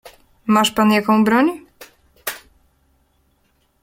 "Masz pan jaką broń?"